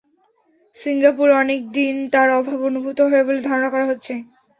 সিঙ্গাপুরে অনেক দিন তাঁর অভাব অনুভূত হবে বলে ধারণা করা হচ্ছে।